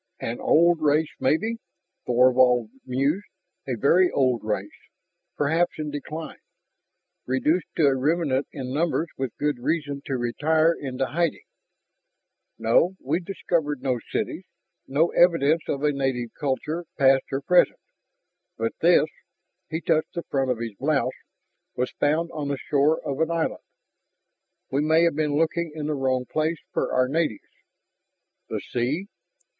"An old race, maybe," Thorvald mused, "a very old race, perhaps in decline, reduced to a remnant in numbers with good reason to retire into hiding. No, we've discovered no cities, no evidence of a native culture past or present. But this " he touched the front of his blouse "was found on the shore of an island. We may have been looking in the wrong place for our natives." "The sea...."